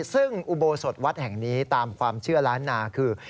ซึ่งอุโบสถวัดแห่งนี้ตามความเชื่อล้านนาคือ